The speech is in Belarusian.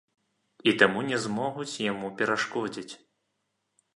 І таму не змогуць яму перашкодзіць.